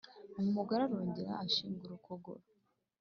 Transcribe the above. Umugore arongera ashingura ukuguru